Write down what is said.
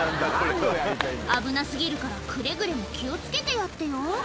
危なすぎるからくれぐれも気をつけてやってよ。